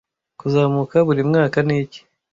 Kkuzamuka buri mwaka niki